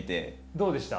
どうでした？